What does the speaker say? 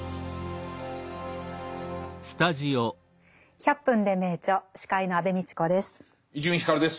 「１００分ｄｅ名著」司会の安部みちこです。